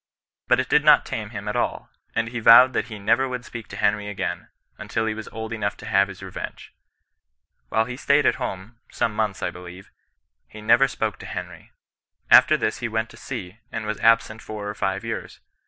But it did not tame him at all, and he vowed that he never would speak to Henry again, until he was old enough to have revenge. While lie stayed at home (some months, I believe,) he never spoke to Henry. After this he went to sea, and was aosent four or five years.